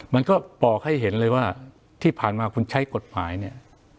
มันก็บอกให้เห็นเลยว่าที่ผ่านมาคุณใช้กฎหมายเนี่ย